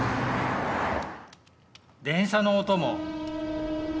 電車の音も。